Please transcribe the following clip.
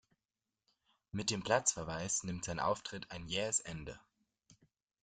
Mit dem Platzverweis nimmt sein Auftritt ein jähes Ende.